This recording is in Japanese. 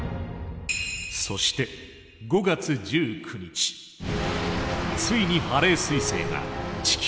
そして５月１９日ついにハレー彗星が地球に最接近。